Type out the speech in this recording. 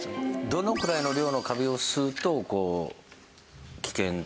どのくらいの量のカビを吸うとこう危険っていうか。